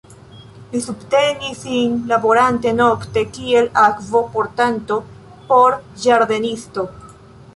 Li subtenis sin laborante nokte kiel akvo-portanto por ĝardenisto.